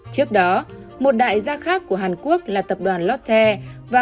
trước đó một đại gia khác của hàn quốc là tập đoàn lotte và một số tập đoàn nước ngoài